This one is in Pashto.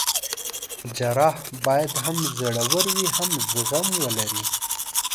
جراح باید هم زړه ور وي او هم زغم ولري.